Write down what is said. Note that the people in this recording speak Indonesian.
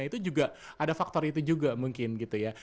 itu juga ada faktor itu juga mungkin gitu ya